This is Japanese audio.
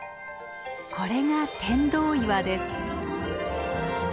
これが天童岩です。